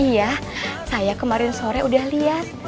iya saya kemarin sore udah lihat